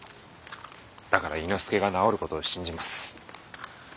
だから猪之助が治る事を信じます。